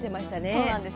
そうなんですよ。